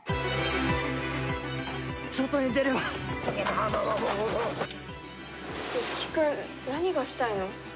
外に出れば樹君、何がしたいの？